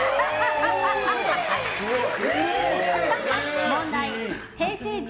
すごい。